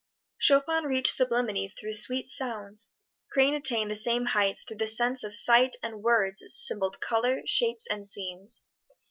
Chopin reached sublimity through sweet sounds; Crane attained the same heights through the sense of sight and words that symboled color, shapes and scenes.